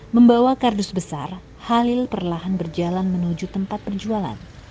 membawa kardus besar halil perlahan berjalan menuju tempat perjualan